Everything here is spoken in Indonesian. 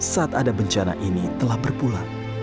saat ada bencana ini telah berpulang